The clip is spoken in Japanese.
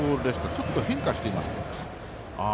ちょっと変化していましたか。